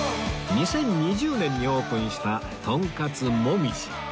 ２０２０年にオープンしたとんかつ椛